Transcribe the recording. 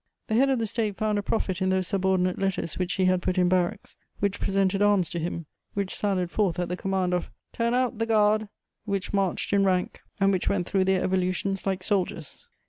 The head of the State found a profit in those subordinate letters which he had put in barracks, which presented arms to him, which sallied forth at the command of "Turn out, the guard!" which marched in rank, and which went through their evolutions like soldiers.